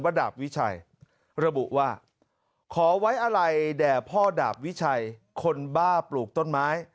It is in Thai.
ดาบวิชัยระบุว่าขอไว้อะไรแด่พ่อดาบวิชัยคนบ้าปลูกต้นไม้